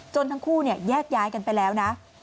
ทั้งคู่แยกย้ายกันไปแล้วนะ